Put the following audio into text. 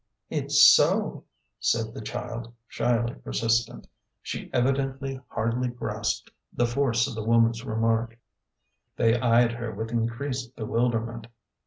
" It's so," said the child, shyly persistent. She evidently hardly grasped the force of the woman's remark. They eyed her with increased bewilderment.